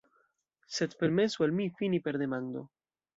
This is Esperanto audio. Sed permesu al mi fini per demando.